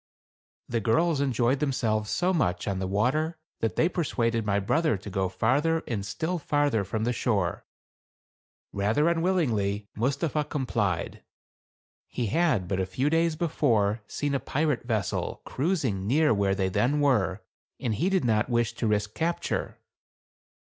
The girls enjoyed themselves so much on the water that they persuaded my brother to go far ther and still farther from the shore. Father unwillingly, Mustapha complied. He had, but a few days before, seen a pirate vessel cruising near where they then were, and he did not wish to risk capture.